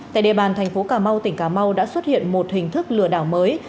tại địa bàn thành phố cà mau tỉnh cà mau đã xuất hiện một hình thức lừa đảo mới